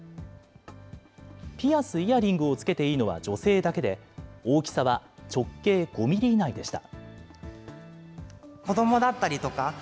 ピアス・イヤリングをつけていいのは女性だけで、大きさは直径５ミリ以内でした。